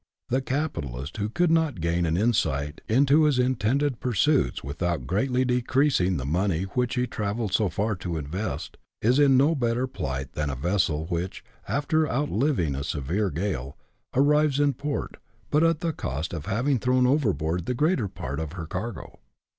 The capitalist who could not gain an insight into his intended pursuits without greatly decreasing the money which he travelled so far to invest, is in no better plight than a vessel which, after outliving a severe gale, arrives in port, but at the cost of having thrown overboard the greater part of her cargo.